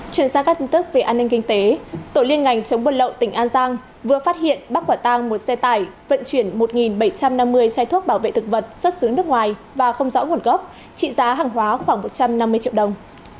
chuyển sang các tin tức về an ninh kinh tế tổ liên ngành chống buôn lậu tỉnh an giang vừa phát hiện bắt quả tang một xe tải vận chuyển một bảy trăm năm mươi chai thuốc bảo vệ thực vật xuất xứ nước ngoài và không rõ nguồn gốc trị giá hàng hóa khoảng một trăm năm mươi triệu đồng